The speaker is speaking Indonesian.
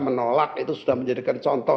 menolak itu sudah menjadikan contoh